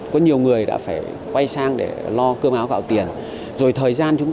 có nhiều người đã phải quay sang để lo cơm áo gạo tiền rồi thời gian chúng